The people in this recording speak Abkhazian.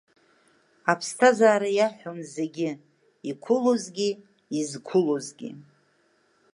Аԥсҭазаара иаҳәон зегьы иқәылозгьы изқәылозгьы.